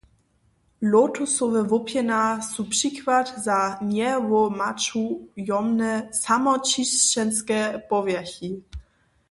Lotusowe łopjena su přikład za njewomačujomne, samočisćenske powjerchi.